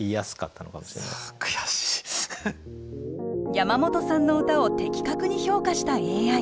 山本さんの歌を的確に評価したＡＩ。